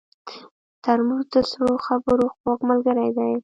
ترموز د سړو خبرو خوږ ملګری دی.